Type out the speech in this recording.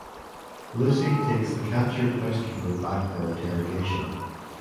Lucy takes the captured housekeeper back for interrogation.